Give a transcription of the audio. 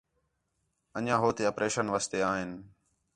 انڄیاں ہو تے آپریشن واسطے آئِن